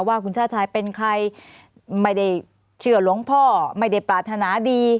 ว่าคุณชาติชายเป็นใครไม่ได้เชื่อหลวงพ่อไม่ได้ปรารถนาดี